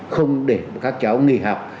không để các cháu nghỉ học